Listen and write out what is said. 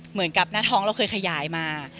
เหมือนกับหน้าท้องเราเคยขยายมา